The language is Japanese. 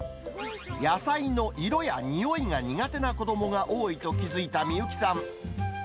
野菜の色やにおいが苦手な子どもが多いと気付いた美幸さん。